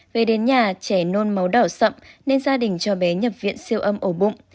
về đến nhà trẻ nôn máu đỏ sậm nên gia đình cho bé nhập viện siêu âm ổ bụng